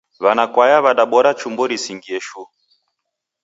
Wanakwaya wadabora chumbo risingie shuu.